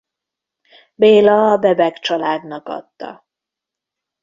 Béla a Bebek családnak adta.